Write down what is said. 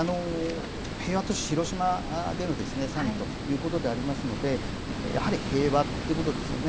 平和都市、広島でのサミットということでありますので、やはり平和ってことですよね。